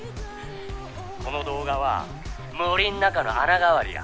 「この動画は森ん中の穴代わりや」